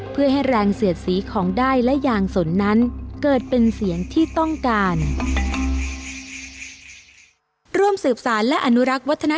เพื่อให้แรงเสียดสีของได้และยางสนนั้นเกิดเป็นเสียงที่ต้องการ